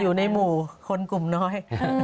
อยู่ในหมู่คนกลุ่มน้อย